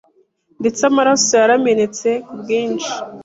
ndetse amaraso yaramenetse ku bwinshi